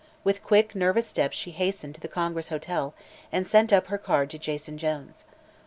With quick, nervous steps she hastened to the Congress Hotel and sent up her card to Jason Jones.